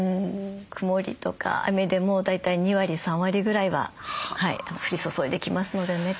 曇りとか雨でも大体２割３割ぐらいは降り注いできますのでね